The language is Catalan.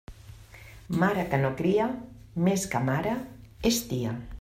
Mare que no cria, més que mare és tia.